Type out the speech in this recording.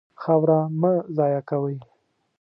خاوره مه ضایع کوئ.